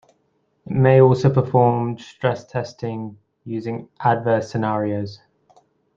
It may also perform stress testing, using adverse scenarios.